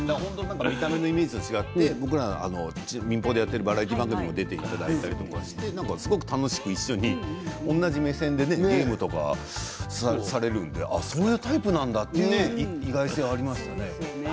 僕らが民放でやっているバラエティー番組にも出ていただいてすごく楽しく同じ目線でゲームをされるのでそういうタイプなんだという意外性がありましたね。